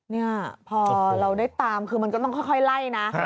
นี่พอเราได้ตามคือมันก็ต้องค่อยไล่นะ